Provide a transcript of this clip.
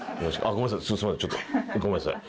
ごめんなさい。